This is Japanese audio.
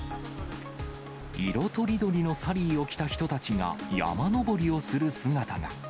色とりどりのサリーを着た人たちが山登りをする姿が。